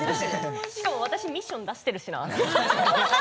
しかも私ミッション出してるしな。